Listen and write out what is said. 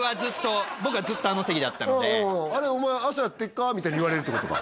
僕はずっとあの席だったので「お前朝やってっかー？」みたいに言われるってことか